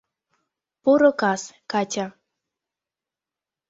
— Поро кас, Катя.